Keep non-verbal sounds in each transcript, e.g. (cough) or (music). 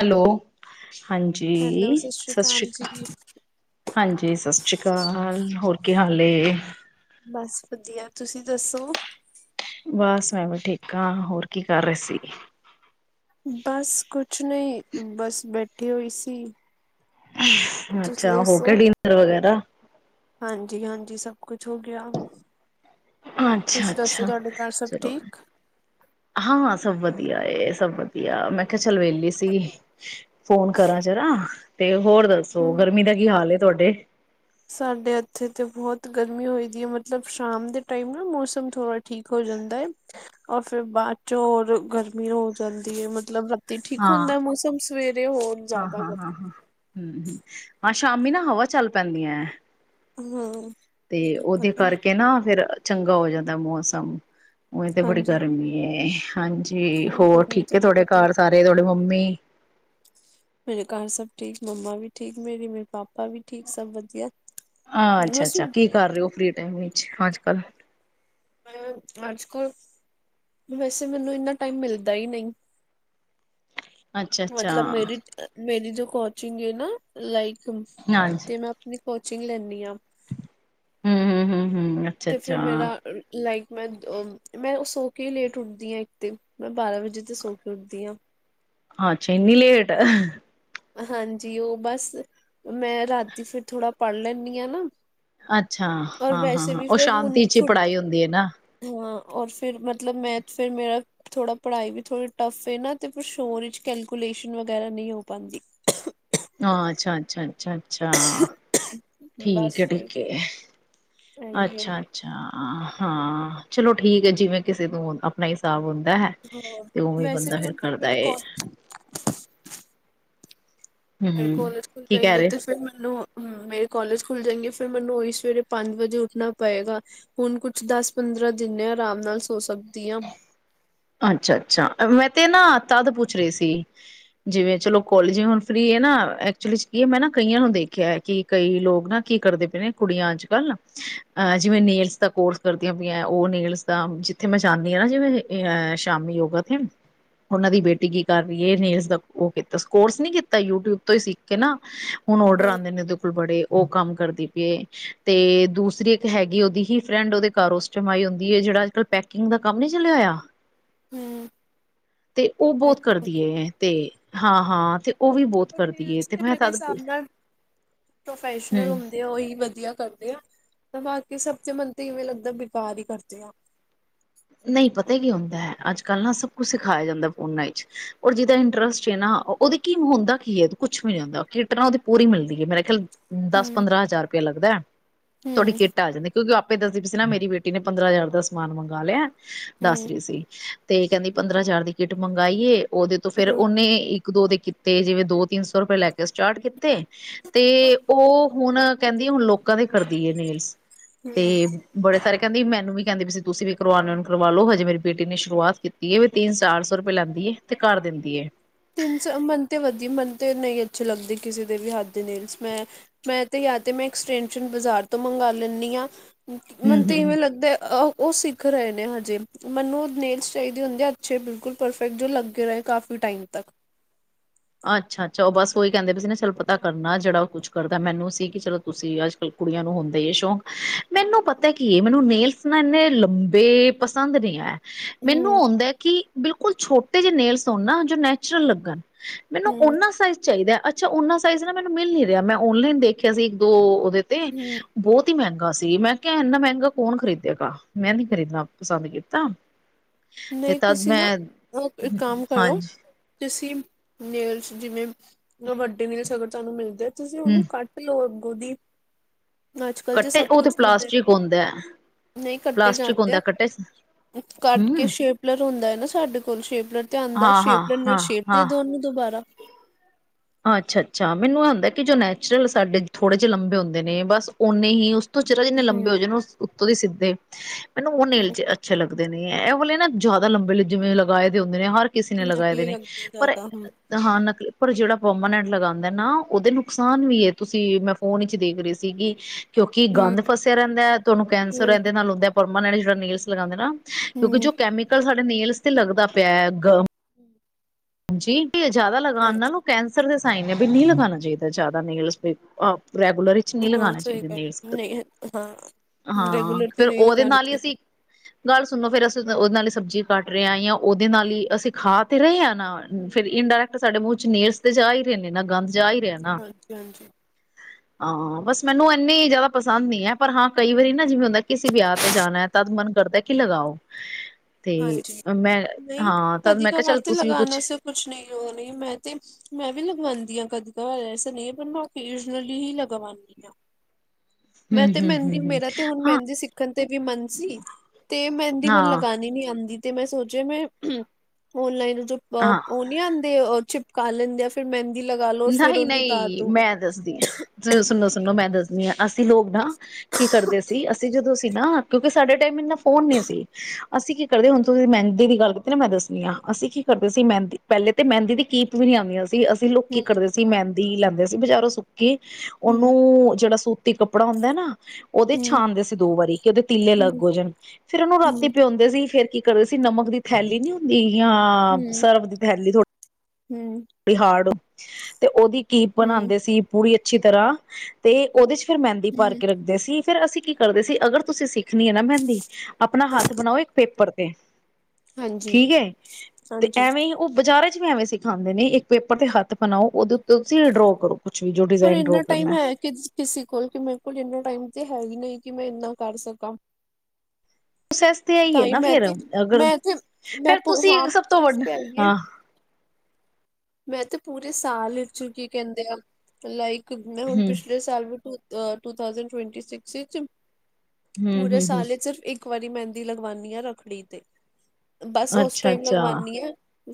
Hello, ਹਾਂਜੀ hello ਸਤਿ ਸਸ ਅਕਾਲ ਸ੍ਰੀ ਜੀ ਕਾ ਹਾਂਜੀ ਸਸ ਸ੍ਰੀ ਕਾਲ ਹੋਰ ਕੀ ਹਾਲ ਏ। ਬਸ ਵਧੀਆ ਤੁਸੀਂ ਦੱਸੋ। ਬੱਸ ਮੈਂ ਵੀ ਠੀਕ ਹਾਂ ਹੋਰ ਕੀ ਕਰ ਰਹੇ ਸੀ। ਬਸ ਕੁਛ ਨਈ ਬਸ ਬੈਠੀ ਹੋਈ ਸੀ। ਤੁਸੀਂ ਅੱਛਾ ਹੋ ਗਿਆ ਡਿਨਰ ਵਗੈਰਾ। ਹਾਂਜੀ-ਹਾਂਜੀ ਸਭ ਕੁਛ ਹੋ ਗਿਆ। ਅੱਛਾ ਤੁਸੀਂ ਦੱਸੋ ਅੱਛਾ ਤੁਹਾਡੇ ਘਰ ਸਭ ਠੀਕ। ਹਾਂ-ਹਾਂ ਸਭ ਵਧੀਆ ਏ, ਸਭ ਵਧੀਆ ਮੈਂ ਮੈ ਕਿਹਾ ਚਲ ਵੇਲੀ ਸੀ ਫੋਨ ਕਰਾ ਜਰਾ। ਤੇ ਹੋਰ ਦੱਸੋ ਹਮ ਗਰਮੀ ਦਾ ਕੀ ਹਾਲ ਹੈ ਤੁਹਾਡੇ? ਸਾਡੇ ਇੱਥੇ ਤੇ ਬੋਹਤ ਗਰਮੀ ਹੋਈ ਦੀ ਹੈ ਮਤਲਬ ਸ਼ਾਮ ਦੇ ਟਾਈਮ ਨਾ ਮੌਸਮ ਥੋੜਾ ਠੀਕ ਹੋ ਜਾਂਦਾ ਹੈ ਔਰ ਫੇਰ ਬਾਦ ਚ ਹੋਰ ਗਰਮੀ ਹੋ ਜਾਂਦੀ ਹੈ ਮਤਲਬ ਟੀ ਠੀਕ ਹੁੰਦਾ ਮੌਸਮ ਸਵੇਰੇ ਹੋ ਹਾਂ-ਹਾਂ, ਹਾਂ ਹੂੰ-ਹੂੰ ਹਾਂ ਸ਼ਾਮੀ ਨਾ ਹਵਾ ਚੱਲ ਪੈਂਦੀਆ। ਹਮ ਤੇ ਉਹਦੇ ਪਤਾ ਨੀ ਕਰਕੇ ਨਾ ਫੇਰ ਚੰਗਾ ਹੋ ਜਾਂਦਾ ਮੌਸਮ, ਉਵੇ ਤੇ ਬੜੀ ਹਾਂਜੀ ਗਰਮੀ ਏ ਹਾਂਜ ਤੇ ਹੋਰ ਗਰਮੀ ਠੀਕ ਤੇ ਹੈ ਤੁਹਾਡੇ ਬਹੁਤ ਘਰ ਸਾਰੇ ਤੁਹਾਡੇ ਮੰਮੀ। ਮੇਰੇ ਘਰ ਸਭ ਠੀਕ ਮੰਮਾ ਵੀ ਠੀਕ ਮੇਰੀ, ਮੇਰੇ ਪਾਪਾ ਵੀ ਠੀਕ ਸਭ ਵਧੀਆ। ਅੱ ਬਸ ਅੱਛਾ-ਅੱਛਾ ਕੀ ਕਰ ਰਹੇ ਹੋ ਫ੍ਰੀ ਟਾਈਮ ਵਿੱਚ ਅੱਜ ਕੱਲ। ਮੈਂ ਅੱਜ ਕਲ, ਵੈਸੇ ਮੈਨੂੰ ਇੰਨਾ ਟਾਈਮ ਮਿਲਦਾ ਹੀ ਨਈ। ਅੱਛਾ-ਅੱਛਾ ਮਤਲਬ ਮੇਰੀ, ਮੇਰੀ ਜੋ ਕੋਚਿੰਗ ਹੈ ਨਾ ਲਾਈਕ (unintelligible) ਤੇੇ ਮੈਂ ਆਪਣੀ ਕੋਚਿੰਗ ਲੈਨੀ ਆ। ਹੂੰ-ਹੂੰ, ਹੂੰ-ਹੂੰ ਤੇ ਫਿਰ ਮੇਰਾ ਲਾਈਕ ਮੈਂ, ਮੈਂ ਸੌ ਕੇ ਹੀ ਲੇਟ ਉੱਠਦੀ ਹਾਂ ਇੱਕ ਤੇ, ਮੈਂ ਬਾਰਾਂ ਵਜੇ ਤੇ ਸੌ ਕੇ ਉੱਠਦੀ ਹਾ। ਅੱਜ ਇਨੀ ਲੇਟ। ਹਾਂਜੀ ਉਹ ਬਸ ਮੈਂ ਰਾਤੀ ਫਿਰ ਥੋੜ੍ਹਾ ਪੜ ਲੈਨੀ ਆ ਨਾ। ਅੱਛਾ ਔਰ ਹਾਂ-ਹਾਂ, ਵੈਸੇ ਹਾਂ ਵੀ ਉਹ ਫਿਰ ਸ਼ਾਂਤੀ ਹੁਣ ਚ ਹੀ ਛੁੱ ਪੜ੍ਹਾਈ ਹੁੰਦੀ ਹੈ ਨਾ। ਹਾਂ ਔਰ ਫਿਰ ਮਤਲਬ ਮੈਂ ਫਿਰ ਮੇਰਾ ਥੋੜ੍ਹਾ ਪੜ੍ਹਾਈ ਵੀ ਥੋੜ੍ਹੀ ਟੱਫ ਏ ਨਾ ਤੇ ਪਰ ਸ਼ੋਰ ਵਿੱਚ ਕੈਲਕੂਲੇਸ਼ਨ ਵਗੈਰਾ ਨਹੀ ਹੋ ਪਾਦੀ। ਹਾਂ ਅੱਛਾ-ਅੱਛਾ, ਅੱਛਾ-ਅੱਛਾ ਠੀਕ ਬਸ ਫਿਰ ਹੈ-ਠੀਕ ਹੈ। ਇਹੀ ਹੈ ਅੱਛਾ, ਅੱਛਾ ਹਾਂ, ਚਲੋ ਠੀਕ ਹੈ, ਜਿਵੇਂ ਕਿਸੇ ਤੋਂ ਆਪਣਾ ਹਿਸਾਬ ਹੁੰਦਾ ਹੈ ਹੋਰ ਤੇ ਉਵੇਂ ਵੈਸੇ ਬੰਦਾ ਵੀ ਫੇਰ ਹੁਣ ਫਿਰ ਕਰਦਾ ਮੇਰੇ ਏ। ਕੋਲਜ ਮੇਰੇ ਹੂੰ ਕਾਲਜ ਖੁਲ ਕੀ ਕਹਿ ਜਾਏਗੇ ਰਹੇ ਤੇ ਫਿਰ ਮੈਨੂੰ, ਹ ਮੇਰੇ ਕੋਲਜ ਖੁੱਲ ਜਾਏਗੀ, ਫੇਰ ਮੈਨੂੰ ਉਹੀ ਸਵੇਰੇ ਪੰਜ ਵਜੇ ਉੱਠਣਾ ਪਏਗਾ। ਹੁਣ ਕੁਛ, ਦਸ -ਪੰਦਰਾਂ ਦਿਨ ਆਰਾਮ ਨਾਲ ਸੋ ਸਕਦੀ ਹਾਂ। ਅੱਛਾ! ਅੱਛਾ! ਮੈਂ ਤੇ ਨਾ, ਤਦ ਪੁੱਛ ਰਹੀ ਸੀ ਜਿਵੇਂ ਚਲੋ ਕੋਲਜ ਹੁਣ ਫ੍ਰਰੀ ਹੈ ਨਾ, ਐਕਚੁਲੀ 'ਚ ਕੀ ਹੈ, ਮੈਂ ਨਾ ਕਈਆਂ ਨੂੰ ਦੇਖਿਆ ਹੈ ਕਿ ਕਈ ਲੋਕ ਨਾ ਕੀ ਕਰਦੇ ਪਏ ਨੇ, ਕੁੜੀਆਂ ਅੱਜ- ਕੱਲ੍ਹ ਅਹ ਜਿਵੇਂ ਨੇਲਸ ਦਾ ਕੋਰਸ ਕਰਦੀਆਂ ਪਈਆਂ, ਉਹ ਨੇਲਸ ਦਾ, ਜਿੱਥੇ ਮੈਂ ਜਾਂਦੀ ਹਾਂ ਨਾ ਜਿਵੇਂ ਅ ਸ਼ਾਮੀ ਯੋਗਾਥ ਉਹਨਾਂ ਦੀ ਬੇਟੀ ਕੀ ਕਰ ਰਹੀ ਏ, ਨੇਲਸ ਦਾ ਉਹ ਕੋਰਸ ਨੀ ਕੀਤਾ, ਯੂਟਿਊਬ ਤੋਂ ਹੀ ਸਿੱਖ ਕੇ ਨਾ। ਹੁਣ ਆਰਡਰ ਹਾਂ ਆਉਂਦੇ ਨੇ, ਇਹਦੇ ਕੋਲ ਬੜੇ ਉਹ ਕੰਮ ਕਰਦੀ ਪਈਏ, ਤੇ ਦੂਸਰੀ ਇੱਕ ਹੈਗੀ ਉਹਦੀ ਹੀ ਫਰੈਂਡ ਉਹਦੇ ਘਰ ਉਸ ਟਾਈਮ ਆਈ ਹੁੰਦੀ ਹੈ ਜਿਹੜਾ ਅੱਜ- ਕੱਲ ਪੈਕਿੰਗ ਦਾ ਕੰਮ ਨਹੀਂ ਚੱਲਿਆ ਹੋਇਆ। ਹੂੰ ਤੇ ਉਹ ਬਹੁਤ ਕਰਦੀ ਏ, ਤੇ ਹਾਂ- ਹਾਂ ਤੇ ਉਹ ਵੀ ਬਹੁਤ ਬਟ ਕਰਦੀ ਏ ਨੇਲਸ ਤੇ ਮੈਂ ਮੇਰੇ ਤਦ ਹਿਸਾਬ ਨਾਲ, ਪ੍ਰੋਫੈਸ਼ਨਲ ਹਮ ਹੁੰਦੇ ਆ ਉਹੀ ਵਧੀਆ ਕਰਦੇ ਆ ਤਾਂ ਬਾਕੀ ਸਭ ਦੇ ਮਨ ਤੇ ਇਵੇਂ ਲੱਗਦਾ, ਬੇਕਾਰ ਹੀ ਕਰਦੇ ਆ। ਨਹੀਂ ਪਤਾ, ਕੀ ਹੁੰਦਾ ਹੈ, ਅੱਜ ਕੱਲ੍ਹ ਨਾ ਸਭ ਕੁਛ ਸਿਖਾਇਆ ਜਾਂਦਾ ਫੋਨਾਂ ਵਿੱਚ, ਔਰ ਜਿਹਦਾ ਇੰਟਰਸਟ ਨਾ, ਉਹਦੀ ਕੀ ਹੁੰਦਾ ਕੀ ਹੈ, ਕੁਛ ਵੀ ਨੀ ਹੁੰਦਾ, ਕਿਟ ਨਾ ਉਹਦੀ ਪੂਰੀ ਮਿਲਦੀ ਹੈ, ਮੇਰਾ ਖਿਆਲ ਦਸ ਹੂੰ -ਪੰਦਰਾਂ ਹਜ਼ਾਰ ਰੁਪਇਆ ਲੱਗਦਾ, ਤੁਹਾਡੀ ਹੂੰ ਕਿੱਟ ਆ ਜਾਂਦੀ, ਕਿਉਂਕਿ ਆਪ ਕਿ ਦੱਸਦੀ ਪਈ ਸੀ ਨਾ ਮੇਰੀ ਬੇਟੀ ਨੇ ਪੰਦਰਾਂ ਹਜ਼ਾਰ ਦਾ ਸਮਾਨ ਮੰਗਵਾ ਲਿਆ, ਦੱਸ ਹੂੰ ਰਹੀ ਸੀ। ਤੇ ਕਹਿੰਦੀ, ਪੰਦਰਾਂ ਹਜ਼ਾਰ ਦੀ ਕਿੱਟ ਮੰਗਾਈਏ, ਉਹਦੇ ਤੋਂ ਫੇਰ, ਹੂੰ ਉਹਨੇ ਇੱਕ ਇੱਕ ਦੋ ਦੇ ਕੀਤੇ, ਜਿਵੇਂ ਦੋ ਤਿੰਨ ਸੌ ਰੁਪਏ ਲੈ ਕੇ ਸਟਾਰਟ ਕੀਤੇ, ਤੇ ਉਹ ਹੁਣ ਕਹਿੰਦੀ, ਹੁਣ ਲੋਕਾਂ ਦੇ ਕਰਦੀ ਹੈ ਨੇਲਸ, ਤੇ ਹੂੰ ਬੜੇ ਸਾਰੇ ਕਹਿੰਦੇ ਮੈੰਨੂੰ ਵੀ ਕਹਿੰਦੀ ਵੀ ਸੀ, ਤੁਸੀਂ ਵੀ ਕਰਵਾਉ ਕਰਵਾ ਲੋ, ਹਜੇ ਮੇਰੀ ਬੇਟੀ ਨੇ ਸ਼ੁਰੂਆਤ ਕੀਤੀ ਹੈ ਵੀ ਤਿੰਨ- ਚਾਰ ਸੌ ਰੁਪਏ ਲੈਂਦੀ ਹੈ, ਤੇ ਕਰ ਦਿੰਦੀ ਹੈ। ਤਿੰਨ ਸੌ ਮਨ ਤੇ ਵਧੀ ਮੈਨੂੰ ਤੇ ਨਹੀਂ ਅੱਛੇ ਲੱਗਦੇ ਕਿਸੇ ਦੇ ਵੀ ਹੱਥ ਦੇ ਨੇਲਸ ਮੈਂ, ਮੈਂ ਤੇ ਜਾਂ ਤੇ ਮੈਂ ਐਕਸਟੈਂਸ਼ਨ ਬਾਜ਼ਾਰ ਤੋਂ ਮੰਗਵਾ ਲੈਂਦੀ ਹਾਂ, ਹਮ ਮੈਨੂੰ ਤੇ ਹਮ ਇਵੇਂ ਲੱਗਦਾ ਅ ਉਹ ਸਿੱਖ ਰਹੇ ਨੇ ਹਜੇ, ਮੈਨੂੰ ਨੇਲਸ ਚਾਹੀਦੀ ਹੁੰਦੀ ਅੱਛੇ, ਬਿਲਕੁਲ ਪਰਫੈਕਟ ਜੋ ਲੱਗੇ ਰਹੇ ਕਾਫੀ ਟਾਈਮ ਤਕ ਅੱਛਾ -ਅੱਛਾ ਉਹ ਬਸ ਉਹੀ ਕਹਿੰਦੇ ਵੀ ਸੀ ਨਾ ਚਲੋ ਪਤਾ ਕਰਨਾ ਜਿਹੜਾ ਉਹ ਕੁਛ ਕਰਦਾ ਮੈਨੂੰ ਸੀ ਕਿ ਚਲੋ ਤੁਸੀਂ ਅੱਜ ਅਜ-ਕਲ ਕੁੜੀਆਂ ਨੂੰ ਹੁੰਦਾ ਹੀ ਏ ਸ਼ੌਕ। ਮੈਨੂੰ ਹੂੰ ਪਤਾ ਕੀ, ਮੈਨੂੰ ਨੇਲਸ ਨਾ, ਇੰਨੇ ਲੰਬੇ ਪਸੰਦ ਨਹੀਂ ਆ ਮੈਨੂੰ ਹੂੰ ਆਉਂਦਾ ਹੈ ਕਿ, ਬਿਲਕੁਲ ਛੋਟੇ ਜਿਹੇ ਨੇਲਸ ਹੋਣ ਨਾ, ਜੋ ਨੈਚੁਰਲ ਲੱਗਣ ਮੈਨੂੰ ਉਹਨਾ ਸਾਈਜ਼ ਚਾਹੀਦਾ ਅ ਅੱਛਾ ਓਹਨਾ ਸਾਈਜ਼ ਨਾ ਮੈਨੂੰ ਮਿਲ ਨੀ ਰਿਹਾ, ਮੈਂ ਓਨਲਾਈਨ ਦੇਖਿਆ ਸੀ ਇੱਕ- ਦੋ ਉਹਦੇ ਤੇ ਹੂੰ ਬਹੁਤ ਹੀ ਮਹਿੰਗਾ ਸੀ, ਮੈਂ ਕਿਹਾ ਇੰਨਾ ਮਹਿੰਗਾ ਕੌਣ ਖਰੀਦੇਗਾ, ਮੈਂ ਨੀ ਖਰੀਦਣਾ ਪਸੰਦ ਕੀਤਾ। (inaudible) ਨਹੀਂ ਤਦ ਤੁਸੀਂ ਨਾ, ਮੈਂ ਉਹ ਇੱਕ ਕੰਮ ਕਰੋ। ਹਾਂਜੀ ਤੁਸੀਂ, ਨੇਲਸ ਜਿਵੇਂ, ਵੱਡੇ ਨੇਲਸ ਅਗਰ ਤੁਹਾਨੂੰ ਮਿਲਦੇ ਆ, ਤੁਸੀਂ ਹੂੰ ਉਹਨੂੰ ਕੱਟ ਲਓ ਅੱਗੋਂ ਦੀ, ਅੱਜ ਕਲ ਜੇ ਕੱਟੇ ਸਭ ਉਹ ਤੇ ਕੁਛ ਆਉਦਾ ਪਲਾਸਟਿਕ ਹੁੰਦਾ। ਹੈ। ਨਹੀਂ ਕੱਟੇ ਪਲਾਸਟਿਕ ਜਾਂਦੇ ਹੁੰਦਾ ਆ, ਕੱਟੇ ਕੱਟ ਕਿ ਸ਼ੇਪਲਰ ਹੁੰਦਾ ਹੈ ਨਾ ਸਾਡੇ ਕੋਲ, ਸ਼ੇਪਲਰ ਤੇ ਆਉਂਦਾ, ਹਾਂ ਹਾਂ ਸ਼ੇਪਲਰ ਨਾਲ ਹਾਂ ਸ਼ੇਪ ਦੇ ਦਿਓ ਹਾਂ ਉਹਨੂੰ ਦੁਬਾਰਾ, (inaudible) ਅੱਛਾ! ਅੱਛਾ! ਮੈਨੂੰ ਇਹ ਹੁੰਦਾ ਕਿ ਜੋ ਨੈਚੁਰਲ ਸਾਡੇ ਥੋੜੇ ਜਿਹੇ ਲੰਬੇ ਹੁੰਦੇ ਨੇ, ਬਸ ਓਨੇ ਹੀ ਉਸ ਥੋੜਾ ਜਿਹਾ ਜਿੰਨੇ ਹਮ ਲੰਬੇ ਹੋ ਜਾਏ ਨੇ ਉਹ ਉੱਤੋਂ ਦੀ ਸਿੱਧੇ, ਮੈਨੂੰ ਉਹ ਹਮ ਨੇਲਜ਼ ਅੱਛੇ ਲੱਗਦੇ ਨੇ, ਇਹ ਵਾਲੇ ਨਾ ਜ਼ਿਆਦਾ ਲੰਬੇ ਜਿਵੇਂ ਲਗਾਏ ਦੇ ਹੁੰਦੇ ਨੇ ਹਰ ਕਿਸੇ ਨੇ ਲਗਾਏ ਦੇ ਨਕਲੀ ਨੇ, ਲੱਗਦੀ ਹੈ ਪਰ ਜ਼ਿਆਦਾ ਹੁਣ। ਹਾਂ ਨਕਲੀ, ਪਰ ਜਿਹੜਾ ਪਰਮਾਨੈਂਟ ਲਗਾਉਂਦਾ ਨਾ, ਉਹਦੇ ਨੁਕਸਾਨ ਵੀ ਹੈ ਤੁਸੀਂ ਮੈਂ ਫੋਨ ਵਿੱਚ ਦੇਖ ਰਹੀ ਸੀਗੀ। ਕਿਉਂਕਿ ਹੂੰ ਗੰਦ ਫਸਿਆ ਰਹਿੰਦਾ ਹੈ ਤੁਹਾਨੂੰ ਕੈਂਸਰ ਐਦੇ ਨਾਲੋ ਹੁੰਦਾ ਪਰਮਾਨੈਂਟ ਜਿਹੜਾ ਨੇਲਸ ਲਗਾਉਂਦੇ ਨਾ। ਕਿਉਂਕਿ ਹੂੰ ਜੋ ਕੈਮੀਕਲ ਸਾਡੇ ਨੇਲਸ ਤੇ ਲੱਗਦਾ ਪਿਆ ਗ (unintelligible) ਜ ਜ਼ਿਆਦਾ ਲਗਾਉਣ ਨਾਲ ਉਹ ਹਾਂਜੀ ਕੈਂਸ ਫੇਰ ਦੇ ਸਾਈਨ ਵੀ ਨੀ ਲਗਾਣਾ ਚਾਹੀਦਾ ਜ਼ਿਆਦਾ ਨੇਲਜ ਰੈਗੂਲਰ ਜੀ ਨਹੀਂ ਹਾਂ ਲਗਾਉਣਾ ਸਹੀ ਚਾਹੀਦਾ ਗੱਲ ਨੇਲਜ਼ ਕਦੀ ਨਹੀਂ ਹਾਂ ਹਾਂ ਰੈਗੂਲਰ ਤੇ ਫੇਰ ਨਹੀਂ ਉਹਦੇ ਲਗਾਣਾ ਨਾਲ ਹੀ ਚਾਹੀਦਾ। ਅਸੀਂ ਗੱਲ ਸੁਣੋ ਫੇਿਰ ਅਸੀਂ ਉਹਦੇ ਨਾਲ ਹੀ ਸਬਜ਼ੀ ਕੱਟ ਰਹੇ ਹਾਂ ਜਾਂ ਉਹਦੇ ਨਾਲ ਹੀ ਅਸੀਂ ਖਾ ਤੇ ਰਹੇ ਹਾਂ ਨਾ ਹਮ ਫੇਰ ਹਮ ਇੰਡ੍ਰਕਟ ਸਾਡੇ ਮੂੰਹ ਚ ਨੇਲਸ ਤੇ ਜਾ ਹੀ ਰਹੇ ਨੇ ਨਾ ਗੰਦ ਜਾ ਹੀ ਰਿਹਾ ਨਾ, ਹਾਂਜੀ ਹਾਂਜੀ (unintelligible) ਹਾਂ, ਬਸ ਮੈਨੂੰ ਇੰਨੀ ਜ਼ਿਆਦਾ ਪਸੰਦ ਨੀ ਹੈ ਪਰ ਹਾਂ ਕਈ ਵਾਰੀ ਨਾ ਜਿਵੇਂ ਹੁੰਦਾ ਕਿਸੇ ਵਿਆਹ ਤੇ ਜਾਣਾ। ਤਤ ਮਨ ਕਰਦਾ ਕਿ ਲਗਾਓ ਤੇ ਹਾਂਜੀ ਮੈਂ ਨਹੀਂ ਹਾਂ ਤਾਂ ਕਦੀ ਮੈਂ ਕਿਹਾ ਕਵਾਰ ਚੱਲ ਤੇ ਤੁਸੀਂ ਵੀ ਲਗਾਣਾ ਕੁੱਛ ਸੇ ਕੁਛ ਨਹੀਂ ਉਹ ਨਹੀਂ ਮੈਂ ਤੇ ਮੈਂ ਵੀ ਲਗਵਾਉਂਦੀ ਹਾਂ ਕਦੀ ਕਦੀ ਐਸ ਨਹੀਂ ਪਰ ਮੈਂ ਓਕੀਜਨਲੀ ਹੀ ਲਗਵਾਉਂਦੀ ਹਾਂ। ਮੈਂ ਹਮ ਤੇ ਹਮ ਮਹਿੰਦੀ ਹਮ ਹਮ ਮੇਰਾ ਤੇ ਹੁਣ ਮਹਿੰਦੀ ਸਿੱਖਣ ਤੇ ਵੀ ਮਨ ਸੀ ਤੇ ਮਹਿੰਦੀ ਮਨ ਹਾਂ ਲਗਾ ਨਹੀ ਨਹੀ ਆਉਂਦੀ ਤੇ ਮੈਂ ਸੋਚਿਆ ਮੈਂ ਹ ਓਨਲਾਈਨ ਹਾਂ ਉਹ ਨੀ ਆਂਦੇ ਚਿਪ ਕਰ ਲੈਂਦੇ ਆਂ ਫਿਰ ਮਹਿੰਦੀ ਲਗਾ ਲੋ ਫੇਰ ਨਹੀਂ ਉਹਨੂੰ ਉਤਾਰ ਨਹੀਂ ਦੋ। ਮੈਂ ਦੱਸਦੀ ਹਾਂ ਸੁਣੋ ਸੁਣੋ ਮੈਂ ਦੱਸਦੀ ਹਾਂ ਅਸੀਂ ਲੋਕ ਨਾ ਕੀ ਕਰਦੇ ਸੀ ਅਸੀਂ ਜਦੋਂ ਸੀ ਨਾ ਕਿਉਂਕਿ ਸਾਡੇ ਟਾਈਮ ਇੰਨਾ ਫੋਨ ਨਹੀਂ ਸੀ ਅਸੀਂ ਕੀ ਕਰਦੇ ਹੁਣ ਤੁਸੀਂ ਮਹਿੰਦੀ ਦੀ ਗੱਲ ਕੀਤੀ ਨਾ ਮੈਂ ਦੱਸਣੀ ਹਾਂ ਅਸੀਂ ਕੀ ਕਰਦੇ ਸੀ ਮਹਿੰਦੀ ਪਹਿਲੇ ਤੇ ਮਹਿੰਦੀ ਦੀ ਕੀਪ ਵੀ ਨੀ ਆਉਂਦੀਆਂ ਸੀ ਅਸੀਂ ਲੋ ਕਿ ਹੂੰ ਕਰਦੇ ਸੀ ਮਹਿੰਦੀ ਲੈਂਦੇ ਸੀ ਬਜ਼ਾਰੋਂ ਸੁੱਕੀ ਹੂੰ ਉਹਨੂੰ ਜਿਹੜਾ ਸੂ ਇਕ ਕੱਪੜਾ ਹੁੰਦਾ ਨਾ ਉਹਦੇ ਹੂੰ ਛਣਦੇ ਸੀ ਦੋ ਵਾਰੀ ਕਿ ਉਹਦੇ ਤੀਲੇ ਹੂੰ ਅੱਲਗ ਹੋ ਜਾਣ ਫਿਰ ਉਹਨੂੰ ਰਾਤੀ ਹੂੰ ਭਿਉਂਦੇ ਸੀ ਫੇਰ ਕੀ ਕਰਦੇ ਸੀ ਨਮਕ ਦੀ ਥੈਲੀ ਨਹੀਂ ਹੁੰਦੀ ਹਾਂ ਹੂੰ ਸਰਫ ਦੀ ਥੈਲੀ ਥੋੜ੍ਹੀ ਹੂੰ ੜੀ ਹਾਰਡ ਤੇ ਉਹਦੀ ਕੀਪ ਹੂੰ ਬਣਾਉਂਦੇ ਸੀ ਪੂਰੀ ਅੱਛੀ ਤਰ੍ਹਾਂ ਤੇ ਉਹਦੇ ਚ ਫ਼ਿਰ ਮਹਿੰਦੀ ਭਰ ਹੂੰ ਕੇ ਰੱਖਦੇ ਸੀ ਫਿਰ ਅਸੀਂ ਕੀ ਕਰਦੇ ਸੀ ਅਗਰ ਤੁਸੀਂ ਸਿੱਖਣੀ ਹੈ ਨਾ ਮਹਿੰ ਆਪਣਾ ਹਾਂ ਹੱਥ ਬਣਾਓ ਇੱਕ ਪੇਪਰ ਤੇ ਹਾਂਜੀ ਠੀਕ ਹੈ ਤੇ ਹਾਂਜੀ ਐਵੇਂ ਈ ਉਹ ਬਾਜ਼ਾਰਾਂ ਚ ਵੀ ਐਵੇਂ ਸਿਖਾਉਂਦੇ ਨੇ ਇੱਕ ਪੇਪਰ ਤੇ ਹੱਥ ਬਣਾਓ ਉਹਦੇ ਉੱਤੇ ਤੁਸੀਂ ਡਰੋ ਕਰੋ ਕੁਛ ਵੀ ਜੋ ਹੋਰ ਡਿਜ਼ਾਇਨ ਡਰੋ ਇੰਨਾ ਟਾਈਮ ਕਰਨਾ ਹੈ ਕਿ ਕਿਸੇ ਕੋਲ ਕਿ ਮੇਰੇ ਕੋਲ ਇਨਾ ਟਾਈਮ ਤੇ ਹੈ ਹੀ ਨਹੀਂ ਕਿ ਮੈਂ ਇੰਨਾ ਕਰ ਸਕਾਂ ਪ੍ਰੋਸੈਸ ਤੇ ਤਾਂ ਆਈਏ ਹੀ ਨਾ ਮੈਂ ਫਿਰ ਤੇ ਅਗਰ ਮੈਂ ਤੇ ਮੈਂ ਫੇਰ ਪੁ ਤੁਸੀਂ ਹਾਂ ਸਭ ਤੋਂ ਪ੍ਰੋਸੈਸ ਵੱਡ ਤੇ ਆਈਏ ਹਾਂ ਮੈਂ ਤੇ ਪੂਰੇ ਸਾਲ ਵਿੱਚ ਕੀ ਕਹਿੰਦੇ ਆ ਲਾਈਕ ਮੈਂ ਹੁਣ ਹਮ ਪਿਛਲੇ ਸਾਲ ਵੀ ਟੂ ਥੌਸੇੰਡ ਟ੍ਵੇੰਟੀ ਸਿਕ੍ਸ ਵਿੱਚ ਹਮ ਪੂਰੇ ਹਮ ਹਮ ਸਾਲ ਚ ਸਿਰਫ ਇਕ ਇੱਕ ਵਾਰੀ ਮਹਿੰਦੀ ਲਗਵਾਉਾਨੀ ਆਾਂ ਰੱਖੜੀ ਤੇ ਬਸ ਉਸ ਅੱਛਾ ਟਾਈਮ ਅੱਛਾ ਲਗਵਾਣੀ ਆ।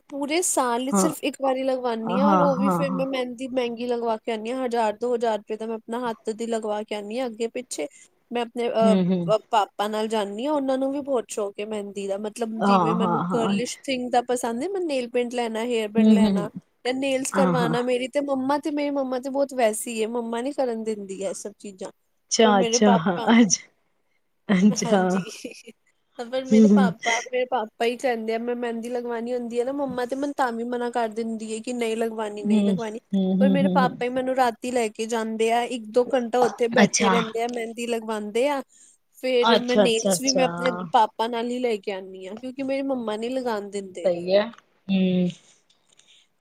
ਪੂਰੇ ਸਾਲ ਹੀ ਹਾਂ ਸਿਰਫ ਇੱਕ ਵਾਰੀ ਲਗਵਾਉਣੀ ਹਾਂ ਔਰ ਉਹ ਵੀ ਫਿਰ ਮੈਂ ਮਹਿੰਦੀ ਮਹਿੰਗੀ ਲਗਵਾ ਕੇ ਆਉਂਦੀ ਹਾਂ ਹਜ਼ਾਰ ਦੋ ਹਜ਼ਾਰ ਰੁਪਏ ਦਾ ਮੈਂ ਆਪਣਾ ਹੱਥ ਦੀ ਲਗਵਾ ਕੇ ਆਉਂਦੀ ਹਾਂ ਅੱਗੇ ਪਿੱਛੇ ਮੈਂ ਆਪਣੇ ਅਹ ਹਮ ਹਮ ਪਾਪਾ ਨਾਲ ਜਾਂਦੀ ਹਾਂ ਉਹਨਾਂ ਨੂੰ ਵੀ ਬਹੁਤ ਸ਼ੋਂਕ ਏ ਮਹਿੰਦੀ ਦਾ ਮਤਲਬ ਮਤਲਬ ਜਿਵੇਂ ਹਾਂ ਹਾਂ ਮੈਨੂੰ ਹਾਂ ਗਰਲਿੰਸ਼ ਅੱਛਾ ਥਿੰਗਸ ਦਾ ਪਸੰਦ ਮੈਂ ਨੇਲ ਪੇਂਟ ਲੈਣਾ ਹੇਅਰ ਹਮ ਹਮ ਲੈਣਾ ਜਾਂ ਨੇੇਲਸ ਹਾਂ ਹਾਂ ਕਰਵਾਉਣਾ ਮੇਰੀ ਤੇ ਮੰਮਾ ਤੇ ਮੇਰੀ ਮੰਮਾ ਤੇ ਬਹੁਤ ਵੈਸੇ ਮੰਮਾ ਨੀ ਕਰਨ ਦਿੰਦੀ ਹੈ ਇਹ ਸਭ ਚੀਜ਼ਾਂ। ਅੱਛਾ ਪਰ ਮੇਰੇ ਅੱਛਾ ਹਾਂ ਪਾਪਾ ਅੱਛ ਅੱਛਾ ਹਾਂਜੀ ਪਰ ਹੂੰ ਮੇਰੇ ਪਾਪਾ ਮੇਰੇ ਪਾਪਾ ਆਪ ਹੀ ਕਹਿੰਦੇ ਆ ਮੈਂ ਮਹਿੰਦੀ ਲਗਵਾਉਣੀ ਹੁੰਦੀ ਆ ਨਾ ਮੰਮਾ ਤੇ ਮੈਨੂੰ ਤਾਂ ਵੀ ਮਨਾ ਕਰ ਦਿੰਦੀ ਏ ਕਿ ਨਹੀਂ ਲ ਨਹੀਂ ਲਗਵਾਉਣੀ ਨਈ ਹੂੰ ਲਗਵਾਣੀ ਹੂੰ ਪਰ ਹੂੰ ਮੇਰੇ ਹੂੰ ਪਾਪਾ ਈ ਮੈਨੂੰ ਰਾਤ ਤੀ ਲੈ ਕੇ ਜਾਂਦੇ ਆ ਇੱਕ ਦੋ ਘੰਟਾ ਉੱਥੇ ਬੈਠੇ ਅੱਛਾ ਰਹਿੰਦੇ ਆ ਮਹਿੰਦੀ ਲਗਵਾਉਂਦੇ ਆ ਫੇਰ ਮੈਂ ਅੱਛਾ ਅੱਛਾ ਨੇਲਸ ਵੀ ਮੈਂ ਅੱਛਾ ਆਪਣੇ ਪਾਪਾ ਨਾਲ ਹੀ ਲਗਵਾ ਕੇ ਆਉਂਦੀ ਆਂ ਕਿਉਂਕਿ ਮੇਰੀ ਮੰਮਾ ਨ ਲਗਾਉਣ ਦਿੰਦੀ ਆ ਹੂੰ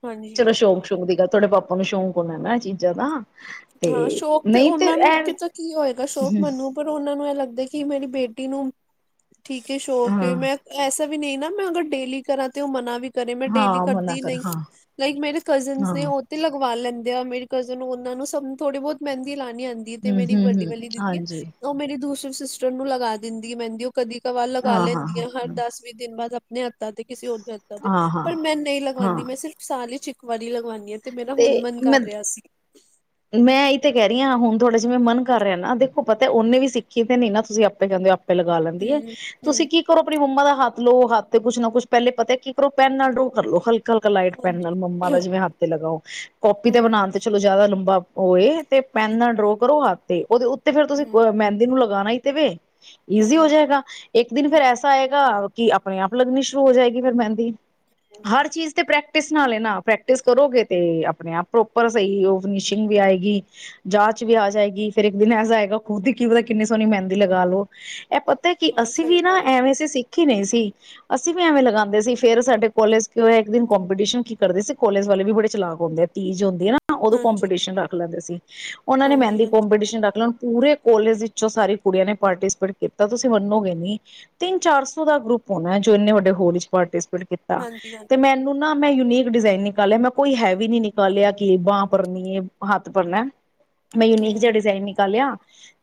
ਹਾਂਜੀ ਚਲੋ ਸ਼ੌਕ ਸ਼ੌਕ ਦੀ ਗੱਲ ਤੁਹਾਡੇ ਪਾਪਾ ਨੂੰ ਸ਼ੌਕ ਹੋਣਾ ਨਾ ਚੀਜ਼ਾਂ ਦਾ ਤੇ ਹਾਂ ਸ਼ੌਕ ਤੇ ਨਹੀਂ ਉਹਨਾਂ ਨੂੰ ਐ ਕਿਤੇ ਕੀ ਹੋਏਗਾ ਸ਼ੌਕ ਹਮ, ਮੈਨੂੰ ਪਰ ਉਹਨਾਂ ਨੂੰ ਇਹ ਲੱਗਦਾ ਕਿ ਮੇਰੀ ਬੇਟੀ ਨੂੰ, ਠੀਕ ਏ ਸ਼ੋਕ ਹਾਂ ਐ। ਮੈਂ ਐਸਾ ਵੀ ਨਈਂ ਨਾਂ ਮੈਂ ਅਗਰ ਡੇਲੀ ਕਰਾਂ ਤੇ ਉਹ ਮਨਾ ਵੀ ਘਰੇ ਮੈਂ ਡੇਲੀ ਹਾਂ ਮਨਾ ਕਰਦੀ ਕਰ ਨਹੀਂ, ਹਾਂ ਲਾਈਕ ਮੇਰੇ ਕਜ਼ਨਸ ਹਾਂ ਨੇਂ ਉਹ ਤੇ ਲਗਵਾ ਲੈਂਦੇ ਆ ਮੇਰੀ ਕਜ਼ਨ ਉਹਨਾਂ ਨੂੰ ਸਬ ਨੂੰ ਥੋੜ੍ਹੀ ਬਹੁਤ ਮਹਿੰਦੀ ਲਾਣੀ ਆਂਦੀ ਤੇ ਹੂੰ ਮੇਰੀ ਇੱਕ ਹੂੰ ਵੱਡੀ ਹੂੰ ਵਾਲੀ ਦੀਦੀ ਐ ਹਾਂਜੀ ਉਹ ਮੇਰੀ ਦੂਸਰੇ ਸਿਸਟਰ ਨੂੰ ਲਗਾ ਦਿੰਦੀਐ ਮਹਿੰਦੀ ਉਹ ਕਦੀ ਕਬਾਰ ਲਗਾ ਹਾਂ ਹਾਂ ਲੈਂਦੀ ਆ। ਹਰ ਹਾਂ ਦਸ ਵੀ ਦਿਨ ਬਾਅਦ ਆਪਣੇ ਹੱਥਾਂ ਤੇ ਕਿਸੇ ਹੋਰ ਦੇ ਹੱਥਾਂ ਤੇ ਹਾਂ ਹਾਂ ਪਰ ਮੈਂ ਨਹੀਂ ਹਾਂ ਲਗਾਂਦੀ। ਮੈਂ ਸਿਰ ਸਾਲ ਇੱਚ ਇੱਕ ਵਾਰੀ ਲਗਵਾਣੀ ਆਂ, ਤੇ ਮੇਰਾ ਹੁਣ ਮਨ ਕਰ ਰਿਹਾ ਸੀ। ਮੈਂ ਇਹ ਤਾਂ ਕਹਿ ਰਹੀ ਆਂ, ਹੁਣ ਤੁਹਾਡਾ ਜਿਵੇਂ ਮਨ ਕਰ ਰਿਹਾ ਨਾਂ। ਦੇਖੋ, ਪਤਾ ਏ ਉਹਨੇਂ ਵੀ ਸਿੱਖੀ ਤੇ ਨੀਂ ਨਾਂ ਤੁਸੀਂ ਆਪੇ ਕਹਿੰਦੇ ਹੋ ਆਪ ਲਗਾ ਲੈਂਦੀਏ, ਹੂੰ ਤੁਸੀਂ ਹੂੰ ਕੀ? ਕਰੋ ਆਪਣੀ ਮੰਮਾ ਦਾ ਹੱਥ ਲਓ ਹੱਥ ਤੇ ਕੁਛ ਨਾਂ ਕੁਛ ਪਹਿਲੇ ਪਤਾ ਕੀ ਕਰੋ, ਪੈਨ ਨਾਲ ਡਰੋ ਕਰ ਲਉ। ਹਲਕੇ ਹਲਕਾ ਲਾਈਟ ਪੈਨ ਨਾਲ ਹਾਂਜੀ ਮੰਮਾ ਦਾ ਜਿਵੇਂ ਹੱਥ ਤੇ ਲਗਾਓ। ਕਾਪੀ ਤੇ ਹੂੰ ਬਣਾਉਣ ਤੇ ਚਲੋ ਜ਼ਿਆਦਾ ਲੰਬਾ ਓਏ ਤੇ ਪੈਨ ਹੂੰ ਨਾਲ ਡਰੋ ਕਰੋ ਹੱਥ ਤੇ, ਉਹਦੇ ਉੱਤੇ ਫੇਰ ਤੁਸੀਂ ਹੂੰ ਮਹਿੰਦੀ ਨੂੰ ਲਗਾਣਾ ਈ ਤੇ ਵੇ। ਈਜ਼ੀ ਹੂੰ ਹੋ ਜਾਏਗਾ। ਇੱਕ ਦਿਨ ਫਿਰ ਹੂੰ, ਐਸਾ ਆਏਗਾ ਕਿ ਆਪਣੇ ਆਪ ਲੱਗਨੀ ਸ਼ੁਰੂ ਹੋ ਜਾਏਗੀ ਫਿਰ ਮਹਿੰਦੀ। ਹਰ ਚੀਜ਼ ਤੇ ਪ੍ਰੈਕ ਪ੍ਰੈਕਟਿਸ ਨਾਲ ਏ ਨਾਂ, ਪ੍ਰੈਕਟਿਸ ਕਰੋਗੇ ਤੇ ਆਪਣੇ ਆਪ ਪ੍ਰੋਪਰ ਸਹੀ ਉਹ ਫਿਨਸ਼ਿੰਗ ਵੀ ਆਏਗੀ। ਜਾਚ ਵੀ ਆ ਜਾਏਗੀ। ਫੇਰ ਇੱਕ ਦਿਨ ਐਸਾ ਆਏਗਾ, ਖੁਦ ਦੀ ਕੀ ਪਤਾ ਕਿੰਨੀ ਸੋਹਣੀ ਮਹਿੰਦੀ ਲਗਾ ਲੋੋ। ਇਹ ਪਤਾ ਕਿ ਹਾਂ ਅਸੀਂ ਸਹੀ ਵੀ ਨਾਂ ਗੱਲ ਹੈ ਐਵੇਂ ਸੀ ਸਿੱਖੀ ਨਹੀਂ ਸੀ ਅਸੀਂ ਵੀ ਐਵੇਂ ਲਗਾਂਦੇ ਸੀ, ਫੇਰ ਸਾਡੇ ਕੋਲੇਜ ਇੱਕ ਦਿਨ ਕਪੀਟੀਸ਼ਨ ਕੀ ਕਰਦੇ ਸੀ, ਕੋਲੇਜ ਵਾਲੇ ਵੀ ਬੜੇ ਚਲਾਕ ਹੁੰਦੇ ਤੀਜ਼ ਹੁੰਦੀ ਐ ਨਾਂ ਉਦੋਂ ਹਾਂਜੀ ਕੋਂਪੀਟੀਸ਼ਨ ਰੱਖ ਲੈਂਦੇ ਸੀ। ਉਹਨਾਂ ਨੇਂ ਹਾਂਜੀ ਮਹਿੰਦੀ ਹਾਂਜੀ ਕੋਂਪੀਟੀਸ਼ਨ ਰੱਖ ਲੈਣ ਪੂਰੇ ਕੋਲੇਜ ਵਿੱਚੋਂ ਸਾਰੀ ਕੁੜੀਆਂ ਨੇਂ ਪਾਰਟੀਸਪੇਟ ਕੀਤਾ। ਤੁਸੀਂ ਮੰਨੋਗੇ ਨੀਂ ਤਿੰਨ-ਚਾਰ ਸੌ ਦਾ ਗਰੁੱਪ ਹੋਣਾ ਐ, ਜੋ ਇੰਨੇ ਵੱਡੇ ਹੋਲ ਇੱਚ ਪਾਰਟੀਸਪੇਟ ਹਾਂਜੀ ਤੇ ਹਾਂਜੀ ਮੈਨੂੰ ਨਾਂ, ਮੈਂ ਯੂਨੀਕ ਡਿਜ਼ਾਇਨ ਨਿਕਾਲਿਆ। ਮੈਂ ਕੋਈ ਹੈਵੀ ਨੀਂ ਨਿਕਾਲਿਆ ਕਿ ਬਾਂ ਭਰਨੀ ਏ, ਹੱਥ ਭਰਣਾ। ਮੈ ਯੂਨੀਕ ਜਿਆ ਹੂੰ ਡਿਜ਼ਾਈਨ ਨਿਕਾਲਿਆ।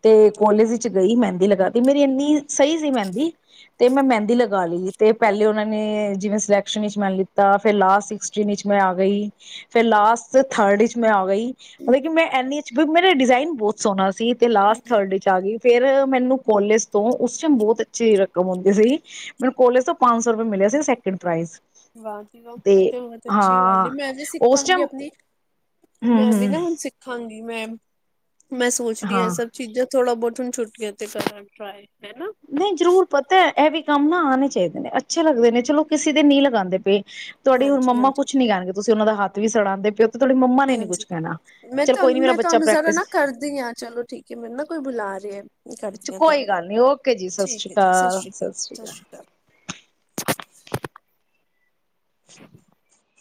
ਤੇ ਕੋਲਜ ਇੱਚ ਗਈ, ਮਹਿੰਦੀ ਲਗਾਤੀ। ਮੇਰੀ ਇੰਨੀ ਸਹੀ ਸੀ ਮਹਿੰਦੀ ਤੇ ਮੈਂ ਮਹਿੰਦੀ ਲਗਾ ਲਈ ਤੇ ਪਹਿਲੇ ਉਹਨਾਂ ਨੇਂ ਜਿਵੇਂ ਸਿਲੈਕਸ਼ਨ ਵਿੱਚ ਮੈਨੂੰ ਲਿੱਤਾ। ਫੇਰ ਲਾਸਟ ਇਚ ਵਿੱਚ ਮੈਂ ਆ ਗਈ। ਫਿਰ ਲਾਸਟ ਥਰਡ ਇਚ ਮੈਂ ਆ ਗਈ, ਮਤਲਬ ਕਿ ਮੈਂ ਐਨੀ ਮੇਰਾ ਡਿਜ਼ਾਇਨ ਬਹੁਤ ਸੋਹਣਾ ਸੀ ਤੇ ਲਾਸਟ ਥਰਡ ਇਚ ਆ ਗਈ ਫਿਰ ਮੈਨੂੰ ਕਾਲਜ ਤੋਂ ਉਸ ਟਾਈਮ ਬਹੁਤ ਅੱਛੀ ਰਕਮ ਆਉਂਦੀ ਸੀ। ਮੈਨੂੰ ਕੋਲੇਜ ਤੋਂ ਪੰਜ ਸੌ ਰੁਪਏ ਮਿਲਿਆ ਸੀ, ਸੈਕਿੰਡ ਪ੍ਰਾਈਸ। ਵਾਹ (inaudible) ਬਹੁਤ ਅੱਛੀ ਗੱਲ ਏ, ਮੈਂ ਵੀ ਉਸ ਸਿੱਖਾਂਗੀ ਟਾਈਮ ਆਪਣੀ। ਹੂੰ ਮੈਂ ਵੀ ਹੂੰ ਨਾ ਹੁਣ ਸਿੱਖਾਂਗੀ ਮੈਂ, ਮੈਂ ਸੋਚ ਰਹੀ ਹਾਂ ਇਹ ਸਭ ਚੀਜ਼ਾਂ ਥੋੜਾ ਬਹੁਤ ਹੁਣ ਛੁੱਟੀਆਂ ਤੇ ਕਰਾਂ ਟਰਾਏ ਹੈ ਨਾਂ! ਨਹੀਂ ਜ਼ਰੂਰ ਪਤਾ ਇਹ ਵੀ ਕੰਮ ਨਾਂ ਆਣੇ ਚਾਹੀਦੇ ਨੇਂ, ਅੱਛੇ ਲੱਗਦੇ ਨੇਂ। ਚਲੋ ਕਿਸੇ ਦੇ ਨ੍ਹੀਂ ਲਗਾਂਦੇ ਪਏ ਤੁਹਾਡੀ ਹੁਣ ਹਾਂਜੀ ਮੰਮਾ ਹਾਂਜੀ ਕੁੱਛ ਨੀਂ ਕਹਿਣਗੇ, ਤੁਸੀਂ ਉਹਨਾਂ ਦਾ ਹੱਥ ਵੀ ਸੜਾਉਂਦੇ ਪਿ ਤੁਹਾਡੀ ਮੰਮਾ ਨੇਂ ਨੀਂ ਕੁਛ ਹਾਂਜੀ ਕਹਿਣਾ। ਮੈਂ ਚਲ ਕੋਈ ਨੀਂ ਤੁਹਾਨੂੰ ਮੇਰਾ ਮੈਂ ਬੱਚਾ ਤੁਹਾਨੂੰ ਜ਼ਰਾ ਪ੍ਰੈਕਟਿਸ (unintelligible) ਚਲੋ ਠੀਕ ਏ ਮੈਨੂੰ ਨਾਂ ਕੋਈ ਬੁਲਾ ਰਿਹਾ। ਕਰਦੀ ਆਂ ਕੋਈ ਤੁਹਾਨੂੰ। ਗੱਲ ਨੀ ਓਕੇ ਜੀ ਸਤਿ ਠੀਕ ਸ਼੍ਰੀ ਐ ਜੀ, ਸਤਿ ਸ਼੍ਰੀ ਅਕਾਲ। ਸਤਿ ਸ਼੍ਰੀ ਅਕਾਲ।